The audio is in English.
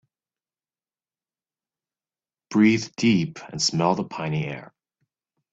Breathe deep and smell the piny air.